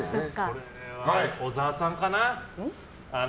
これは小沢さんかな。